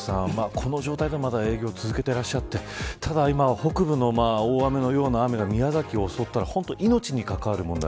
この状態でまだ営業を続けていて北部の大雨のような雨が宮崎を襲ったら命に関わる問題。